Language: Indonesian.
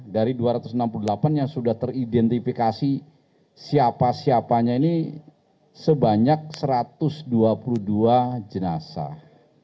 dari dua ratus enam puluh delapan yang sudah teridentifikasi siapa siapanya ini sebanyak satu ratus dua puluh dua jenazah